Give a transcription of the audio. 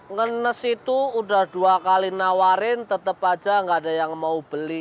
ngenes itu udah dua kali nawarin tetap aja nggak ada yang mau beli